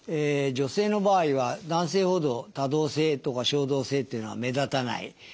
女性の場合は男性ほど多動性とか衝動性っていうのは目立たない。